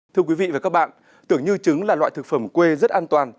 thưa quý vị và các bạn tưởng như trứng là loại thực phẩm quê rất an toàn